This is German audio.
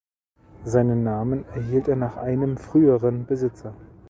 Seinen Namen erhielt er nach einem früheren Besitzer.